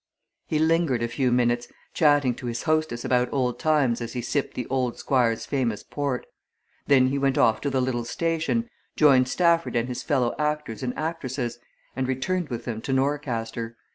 He lingered a few minutes, chatting to his hostess about old times as he sipped the old Squire's famous port; then he went off to the little station, joined Stafford and his fellow actors and actresses, and returned with them to Norcaster.